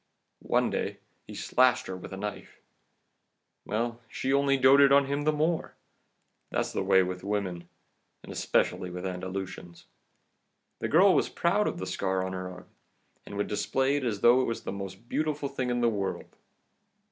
One day he slashed her with a knife. Well, she only doted on him the more! That's the way with women, and especially with Andalusians. This girl was proud of the scar on her arm, and would display it as though it were the most beautiful thing in the world.